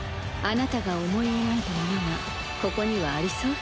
あなたが思い描いたものがここにはありそう？